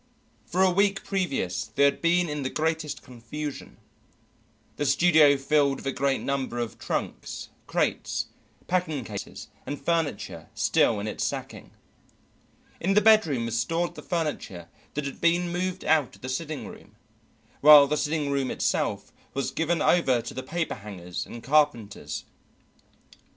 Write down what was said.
For a week previous they had been in the greatest confusion: the studio filled with a great number of trunks, crates, packing cases, and furniture still in its sacking. In the bedroom was stored the furniture that had been moved out of the sitting room, while the sitting room itself was given over to the paperhangers and carpenters.